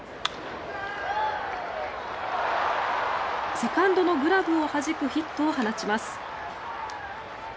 セカンドのグラブをはじくヒットを放ちます。